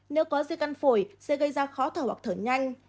nếu có di căn phổi sẽ gây ra khó thở hoặc thở nhanh